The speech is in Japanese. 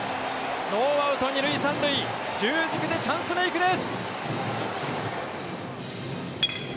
ノーアウト２塁３塁中軸でチャンスメイクです。